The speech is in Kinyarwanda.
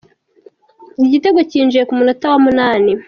Igitego cyinjiye kumunota wa munani.